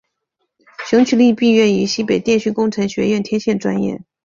熊群力毕业于西北电讯工程学院天线专业。